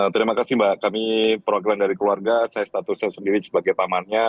terima kasih mbak kami perwakilan dari keluarga saya statusnya sendiri sebagai pamannya